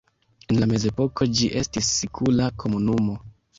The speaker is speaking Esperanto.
En la mezepoko ĝi estis sikula komunumo.